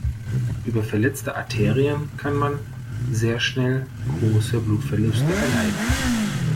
Über verletzte Arterien kann man sehr schnell große Blutverluste erleiden.